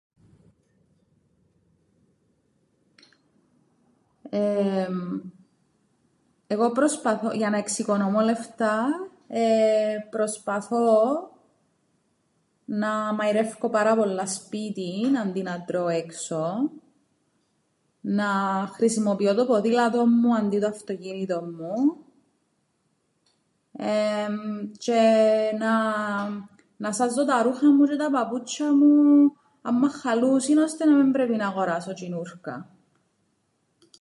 Εεεμ, εγώ προσπαθώ, για να εξοικονομώ λεφτά, εεε προσπαθώ να μαειρεύκω πάρα πολλά σπίτιν αντί να τρώω έξω, να χρησιμοποιώ το ποδήλατον μου αντί τ' αυτοκίνητον μου εεμ τžαι να σάζω τα ρούχα μου τžαι τα παπούτσ̌ια μου άμμαν χαλούσιν, ώστε να μεν πρ΄έπει να γοράσω τžινούρκα.